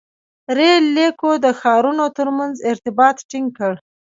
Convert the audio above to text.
• رېل لیکو د ښارونو تر منځ ارتباط ټینګ کړ.